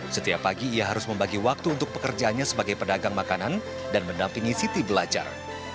setiap pagi ia harus membagi waktu untuk pekerjaannya sebagai pedagang makanan dan mendampingi siti belajar